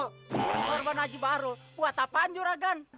sorban aji barul buat apaan juragan